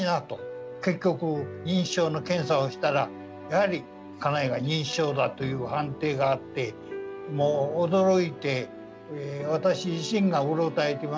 結局認知症の検査をしたらやはり家内が認知症だという判定があってもう驚いて私自身がうろたえてました。